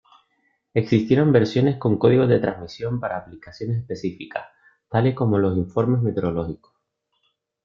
Existieron versiones con códigos de transmisión para aplicaciones específicas, tales como los informes meteorológicos.